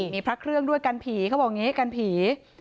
มีพระเครื่องด้วยกันผีเขาบอกอย่างนี้กันผี